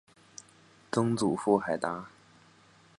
曾祖父海达。